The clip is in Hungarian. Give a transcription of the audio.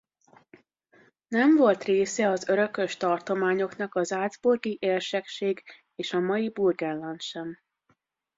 Nem volt része az örökös tartományoknak a Salzburgi Érsekség és a mai Burgenland sem.